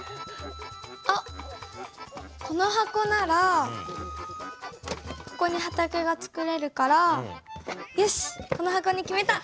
あっこの箱ならここに畑がつくれるからよしこの箱に決めた。